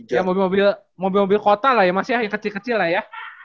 ya mobil mobil kota lah ya mas ya yang kecil kecil lah ya